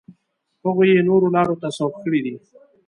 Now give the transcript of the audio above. هغوی یې نورو لارو ته سوق کړي دي.